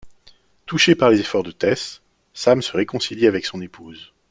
Touché par les efforts de Tess, Sam se réconcilie avec son épouse.